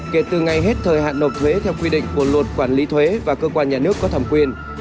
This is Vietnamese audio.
kể từ ngày hết thời hạn nộp thuế theo quy định của luật quản lý thuế và cơ quan nhà nước có thẩm quyền